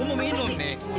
aberi coba dengan riri